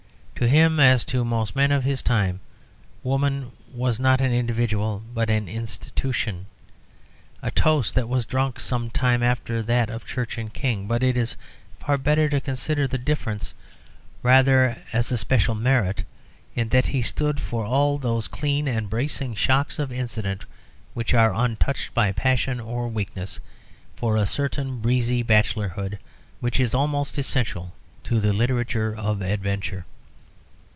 To him, as to most men of his time, woman was not an individual, but an institution a toast that was drunk some time after that of Church and King. But it is far better to consider the difference rather as a special merit, in that he stood for all those clean and bracing shocks of incident which are untouched by passion or weakness, for a certain breezy bachelorhood, which is almost essential to the literature of adventure.